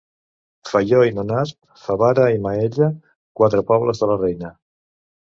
Faió i Nonasp, Favara i Maella, quatre pobles de la reina.